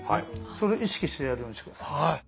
それ意識してやるようにして下さい。